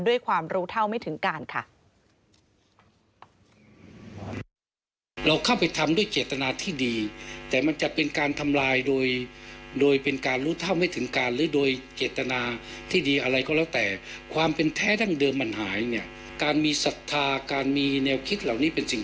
ด้วยความรู้เท่าไม่ถึงการค่ะ